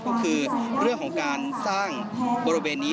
ก็คือเรื่องของการสร้างบริเวณนี้